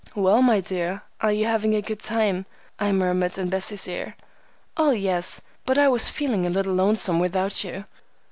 "Well, my dear, are you having a good time?" I murmured in Bessie's ear. "Oh, yes; but I was feeling a little lonesome without you."